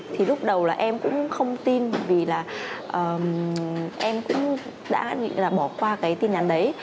thì lúc đầu là em cũng không tin vì là em cũng đã nghĩ là bỏ qua cái tin nhắn đấy